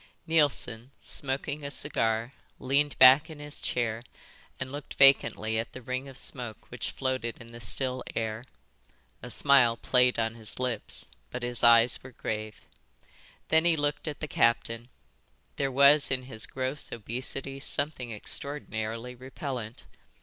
Neilson, smoking a cigar, leaned back in his chair and looked vacantly at the ring of smoke which floated in the still air. A smile played on his lips, but his eyes were grave. Then he looked at the captain. There was in his gross obesity something extraordinarily repellent.